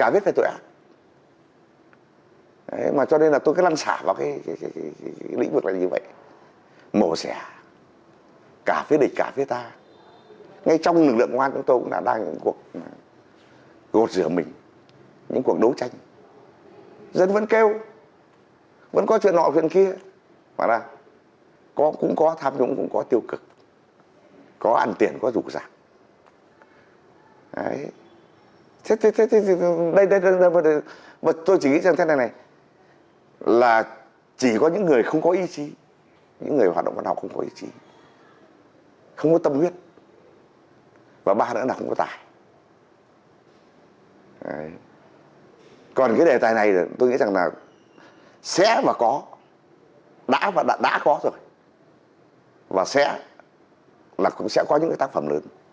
và sẽ là cũng sẽ có những tác phẩm lớn trên tất cả các lĩnh vực văn học việt nam